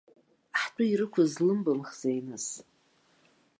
Ҳтәы ирықәыз злымбымхызеи нас?